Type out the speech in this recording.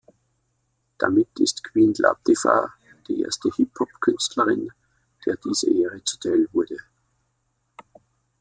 Damit ist Queen Latifah die erste Hip-Hop-Künstlerin, der diese Ehre zuteilwurde.